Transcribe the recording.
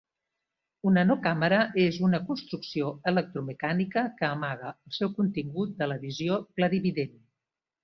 Una no-càmera és una construcció electromecànica que amaga el seu contingut de la visió clarivident.